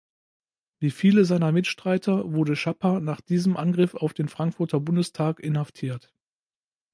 Wie viele seiner Mitstreiter, wurde Schapper nach diesem Angriff auf den Frankfurter Bundestag inhaftiert.